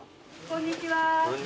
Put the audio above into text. こんにちは。